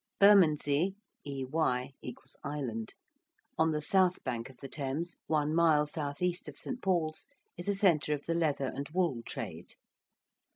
~Bermondsey~ (ey island), on the south bank of the Thames, one mile S.E. of St. Paul's, is a centre of the leather and wool trade.